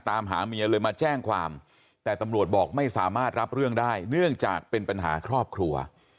ตามหาเมียเลยมาแจ้งความแต่ตำรวจบอกไม่สามารถรับเรื่องได้เนื่องจากเป็นปัญหาครอบครัว